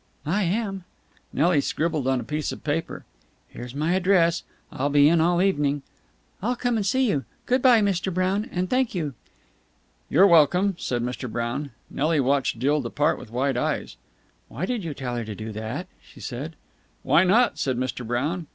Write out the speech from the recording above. "I am!" Nelly scribbled on a piece of paper. "Here's my address. I'll be in all evening." "I'll come and see you. Good bye, Mr. Brown. And thank you." "You're welcome!" said Mr. Brown. Nelly watched Jill depart with wide eyes. "Why did you tell her to do that?" she said. "Why not?" said Mr. Brown.